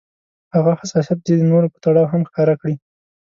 هماغه حساسيت دې د نورو په تړاو هم ښکاره کړي.